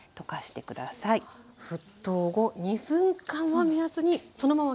沸騰後２分間を目安にそのままキープ。